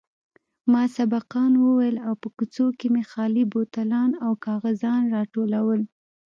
ما سبقان ويل او په کوڅو کښې مې خالي بوتلان او کاغذان راټولول.